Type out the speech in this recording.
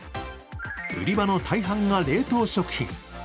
売り場の大半が冷凍食品。